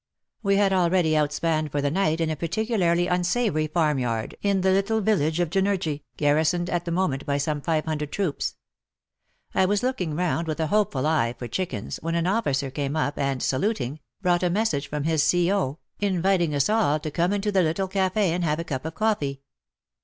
We had already outspanned for the night in a particularly unsavoury farmyard in the little village of Jenergi, garrisoned at the moment by some 500 troops. I was look ing round with a hopeful eye for chickens when an officer came up and, saluting, brought a message from his CO. inviting us all to 96 WAR AND WOMEN come into the little cafd and have a cup of coffee.